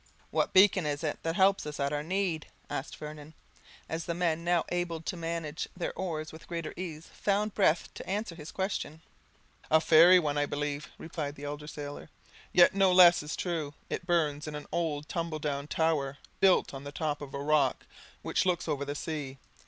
"What beacon is it that helps us at our need?" asked Vernon, as the men, now able to manage their oars with greater ease, found breath to answer his question. "A fairy one, I believe," replied the elder sailor, "yet no less a true: it burns in an old tumble down tower, built on the top of a rock which looks over the sea.